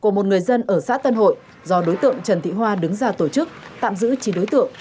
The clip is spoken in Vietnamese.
của một người dân ở xã tân hội do đối tượng trần thị hoa đứng ra tổ chức tạm giữ chín đối tượng